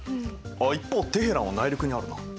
一方テヘランは内陸にあるな。